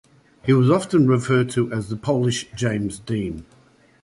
He was often referred to as "the Polish James Dean".